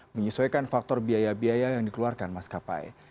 menyesuaikan faktor biaya biaya yang dikeluarkan maskapai